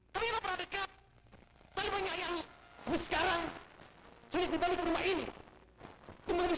berima kasih telah menonton